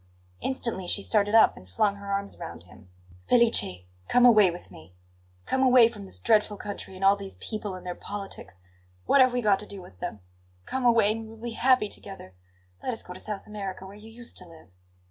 Instantly she started up and flung her arms round him. "Felice, come away with me! Come away from this dreadful country and all these people and their politics! What have we got to do with them? Come away, and we will be happy together. Let us go to South America, where you used to live."